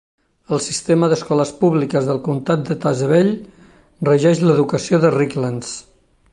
El Sistema d'Escoles Públiques del Comtat de Tazewell regeix l'educació a Richlands.